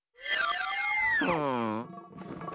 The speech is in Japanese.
うん。